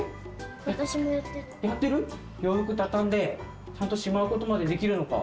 洋服畳んでちゃんとしまうことまでできるのか。